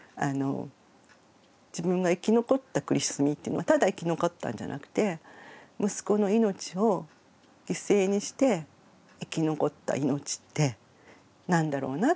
自分が生き残った苦しみっていうのはただ生き残ったんじゃなくて息子の命を犠牲にして生き残った命って何だろうなってすごい思って。